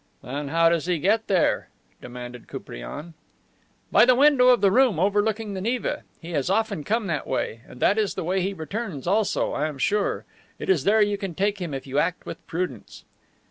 "Then how does he get there?" demanded Koupriane. "By the window of the room overlooking the Neva. He has often come that way. And that is the way he returns also, I am sure. It is there you can take him if you act with prudence."